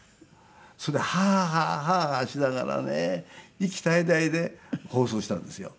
それでハアハアハアハアしながらね息絶え絶えで放送したんですよ。